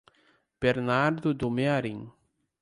Bernardo do Mearim